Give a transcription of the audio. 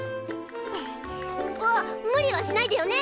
あっ無理はしないでよね！